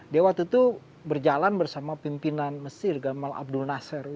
dia waktu itu berjalan bersama pimpinan mesir gamal abdul nasir